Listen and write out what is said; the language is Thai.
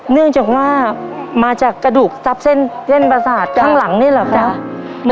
เนื่องจากว่ามาจากกระดูกทับเส้นประสาทข้างหลังนี่เหรอคะ